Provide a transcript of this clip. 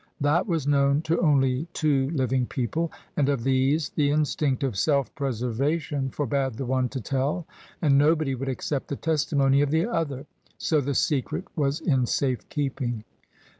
That was known to only two living people: and of these the instinct of self preservation forbade the one to tell, and nobody would accept the testimony of the other. So the secret was in safe keeping.